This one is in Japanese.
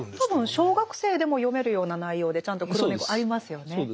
多分小学生でも読めるような内容でちゃんと「黒猫」ありますよね。